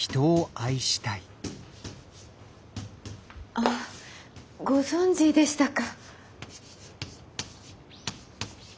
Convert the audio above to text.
あご存じでしたか。